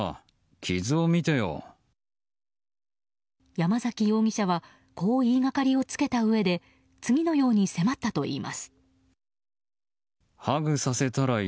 山崎容疑者はこう言いがかりをつけたうえで次のように迫ったといいます。